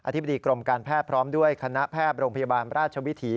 ธิบดีกรมการแพทย์พร้อมด้วยคณะแพทย์โรงพยาบาลราชวิถี